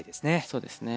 そうですね。